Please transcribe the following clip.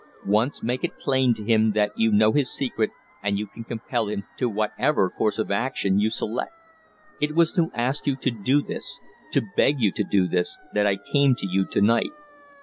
Once make it plain to him that you know his secret, and you can compel him to whatever course of action you select. It was to ask you to do this to beg you to do this that I came to you to night.